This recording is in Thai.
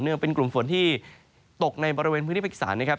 และก็คือเป็นกลุ่มฝนที่ตกในบริเวณพื้นที่พระอิสรรค์